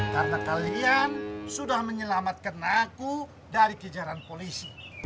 karena kalian sudah menyelamatkan aku dari kejaran polisi